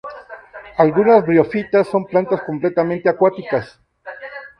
Algunas briofitas son plantas completamente acuáticas.